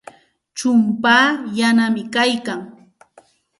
Chumpaa yanami kaykan.